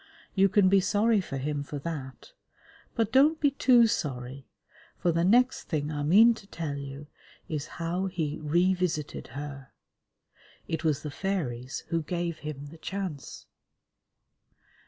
You can be sorry for him for that, but don't be too sorry, for the next thing I mean to tell you is how he revisited her. It was the fairies who gave him the chance.